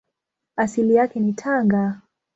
Asili yake ni Tanga.